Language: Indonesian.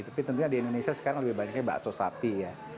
tapi tentunya di indonesia sekarang lebih banyaknya bakso sapi ya